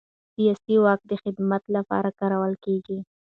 سیاسي واک د خدمت لپاره کارول کېږي